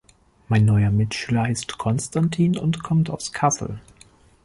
Mein neuer Mitschüler heißt Konstantin und kommt aus Kassel.